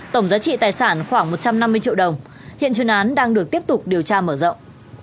tổng giá trị tài sản khoảng một trăm năm mươi triệu đồng hiện chuyên án đang được tiếp tục điều tra mở rộng